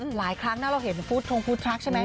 หลายครั้งนะเราเห็นฟู้ดทงฟู้ดทรัคใช่ไหม